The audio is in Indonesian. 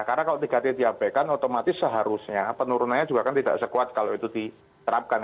karena kalau tiga t diabaikan otomatis seharusnya penurunannya juga kan tidak sekuat kalau itu diterapkan